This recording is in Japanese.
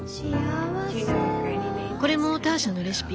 これもターシャのレシピ？